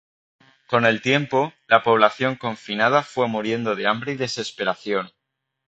Con el tiempo, la población confinada fue muriendo de hambre y desesperación.